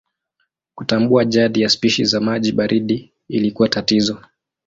Kutambua jadi ya spishi za maji baridi ilikuwa tatizo.